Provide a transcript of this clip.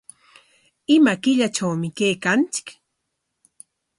¿Ima killatrawmi kaykanchik?